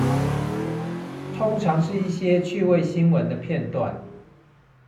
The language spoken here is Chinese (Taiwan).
通常是一些趣味新聞的片段